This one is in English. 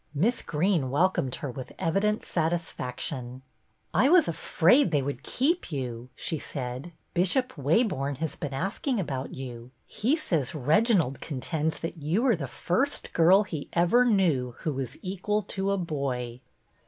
Miss Greene welcomed her with evident satisfaction. " I was afraid they would keep you," she said. " Bishop Waborne has been asking about you. He says Reginald contends that you are the first girl he ever knew who was equal to a boy."